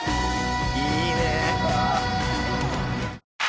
「いいね！」